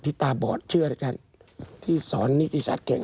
ที่ตาบอสเชื่ออาจารย์ที่สอนนิตยิศาสตร์แบบนี้